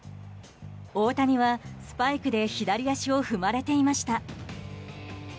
大谷はスパイクで左足を踏まれていました。